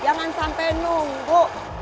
jangan sampai nunggu